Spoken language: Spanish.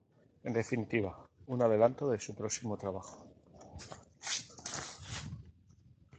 En definitiva, un adelanto de su próximo trabajo.